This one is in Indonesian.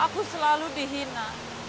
aku selalu dihina